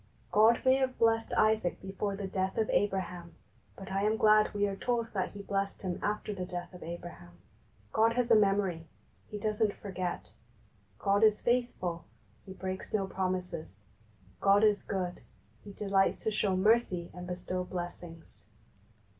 God may have blessed Isaac before the death of Abraham, but I am glad we are told that He blessed him after the death of Abraham. God has a memory ; He doesn't forget. God is faithful ; He breaks no promises. God is good ; He delights to show mercy and bestow blessings.